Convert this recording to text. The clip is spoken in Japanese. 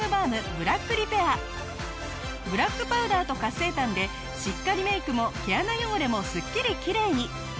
ブラックパウダーと活性炭でしっかりメイクも毛穴汚れもすっきりきれいに。